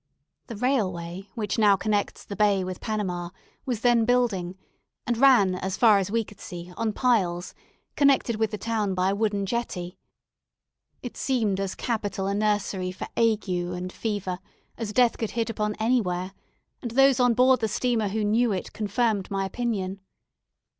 The railway, which now connects the bay with Panama, was then building, and ran, as far as we could see, on piles, connected with the town by a wooden jetty. It seemed as capital a nursery for ague and fever as Death could hit upon anywhere, and those on board the steamer who knew it confirmed my opinion.